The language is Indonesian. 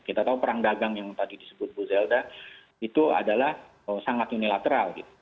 kita tahu perang dagang yang tadi disebut bu zelda itu adalah sangat unilateral